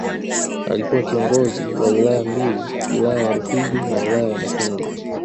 Alikuwa kiongozi wa Wilaya mbili Wilaya ya Rufiji na Wilaya ya Mufindi